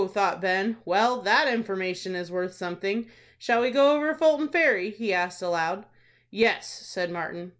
thought Ben. "Well, that information is worth something. Shall we go over Fulton Ferry?" he asked, aloud. "Yes," said Martin.